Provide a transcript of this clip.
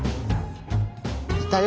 いたよ